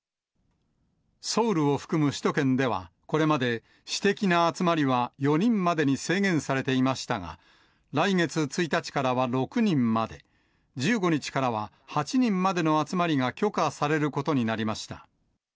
ソウルを含む首都圏では、これまで私的な集まりは４人までに制限されていましたが、来月１日からは６人まで、１５日からは８人までの集まりが許可されることになりました。